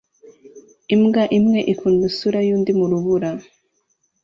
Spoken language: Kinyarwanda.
Imbwa imwe ikunda isura yundi mu rubura